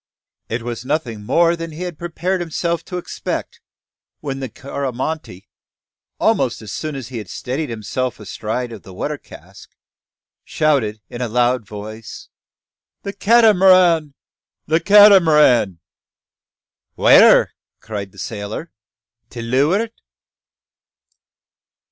It was nothing more than he had prepared himself to expect, when the Coromantee, almost as soon as he had steadied himself astride of the water cask, shouted, in a loud voice "The Cat'maran! the Cat'maran!" "Where?" cried the sailor. "To leuart?"